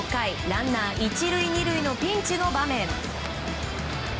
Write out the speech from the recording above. ランナー１塁２塁のピンチの場面。